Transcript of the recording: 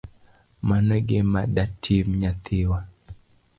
Mano egima datimni nyathiwa